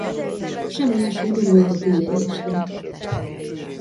Semmi esély nem volt a túlélésre.